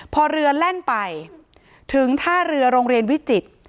พอเรือแล่นไปถึงท่าเรือโรงเรียนวิจิตร